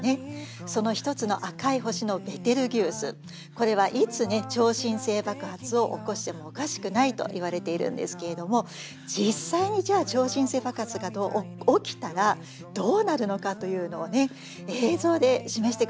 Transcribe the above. これはいつね超新星爆発を起こしてもおかしくないといわれているんですけれども実際にじゃあ超新星爆発が起きたらどうなるのかというのをね映像で示してくれています。